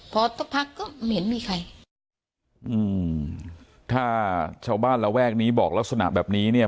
พอสักพักก็ไม่เห็นมีใครอืมถ้าชาวบ้านระแวกนี้บอกลักษณะแบบนี้เนี่ย